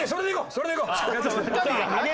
それでいこう！